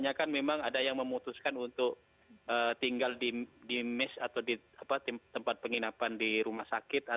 sudah memang berencana untuk kembali ke rumah sakit